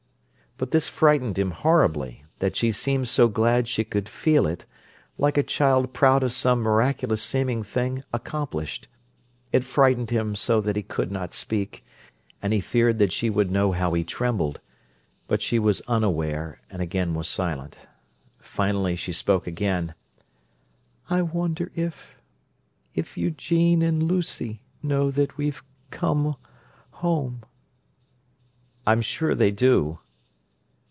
But this frightened him horribly—that she seemed so glad she could feel it, like a child proud of some miraculous seeming thing accomplished. It frightened him so that he could not speak, and he feared that she would know how he trembled; but she was unaware, and again was silent. Finally she spoke again: "I wonder if—if Eugene and Lucy know that we've come—home." "I'm sure they do."